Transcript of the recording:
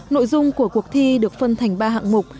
nội dung của cuộc thi được phân thành ba hạng mục